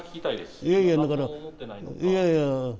いやいや、だから。いやいや。